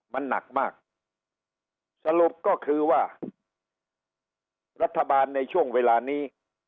มันหนักมากสรุปก็คือว่ารัฐบาลในช่วงเวลานี้